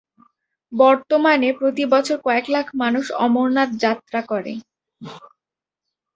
বর্তমানে প্রতি বছর কয়েক লাখ মানুষ অমরনাথ যাত্রা করে।